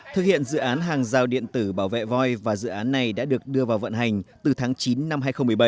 thực hiện dự án hàng giao điện tử bảo vệ voi và dự án này đã được đưa vào vận hành từ tháng chín năm hai nghìn một mươi bảy